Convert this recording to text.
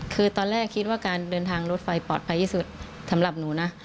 คือตอนแรกคิดว่าการเดินทางรถไฟปลอดภัยที่สุดสำหรับหนูนะ